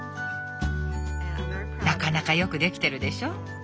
なかなか良くできてるでしょ？